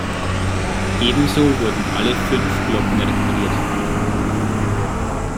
Ebenso wurden alle fünf Glocken repariert.